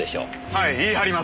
はい言い張ります。